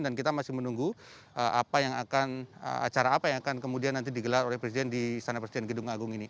dan kita masih menunggu acara apa yang akan kemudian nanti digelar oleh presiden di istana presiden gedung agung ini